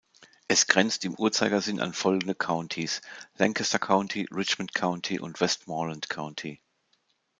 Es grenzt im Uhrzeigersinn an folgende Countys: Lancaster County, Richmond County und Westmoreland County.